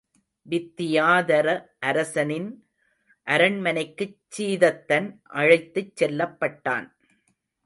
வித்தியாதர அரசனின் அரண்மனைக்குச் சீதத்தன் அழைத்துச் செல்லப்பட்டான்.